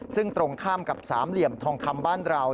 ซึ่งตรงข้ามกับสามเหลี่ยมทองคำบ้านเรา